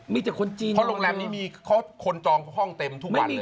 มีแต่คนจีนเพราะโรงแรมนี้มีคนจองห้องเต็มทุกวันเลย